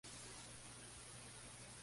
A veces se emplean vieiras en su lugar.